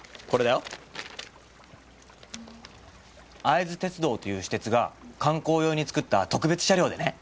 会津鉄道という私鉄が観光用に作った特別車両でね